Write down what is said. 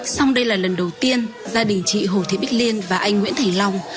xong đây là lần đầu tiên gia đình chị hồ thế bích liên và anh nguyễn thành long